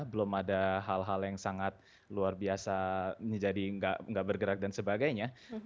belum ada hal hal yang sangat luar biasa jadi nggak bergerak dan sebagainya